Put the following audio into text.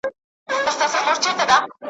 تر منزله یې د مرګ لاره وهله `